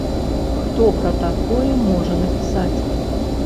Хто пра такое можа напісаць?